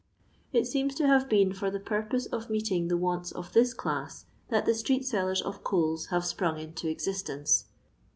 It seems to have been for the purpose of meeting the wants of this class that the street sellers of coals have sprung into ex istence.